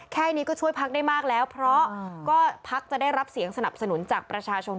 แค่นี้ก็ช่วยพักได้มากแล้วเพราะก็พักจะได้รับเสียงสนับสนุนจากประชาชน